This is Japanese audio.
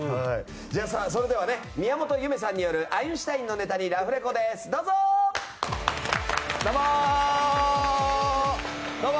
それでは、宮本侑芽さんによるアインシュタインのネタにラフレコです、どうぞ！